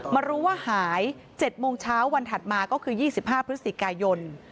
มารู้ว่าหายเจ็ดโมงเช้าวันถัดมาก็คือยี่สิบห้าพฤษฎิกายน